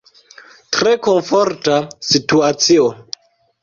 Tre komforta situacio.